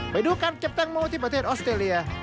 ไปดูการเก็บแตงโมที่ประเทศออสเตรเลีย